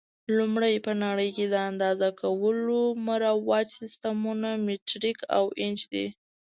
لومړی: په نړۍ کې د اندازه کولو مروج سیسټمونه مټریک او انچ دي.